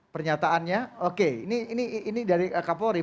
pernyataannya oke ini ini ini dari kak polri